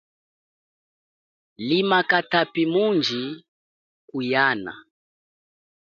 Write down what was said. Lima katapi mundji kuhiana.